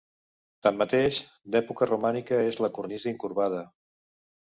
Tanmateix, d'època romànica és la cornisa incurvada.